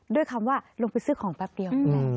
ด้วยคำว่าลงไปซื้อของแป๊บเดียว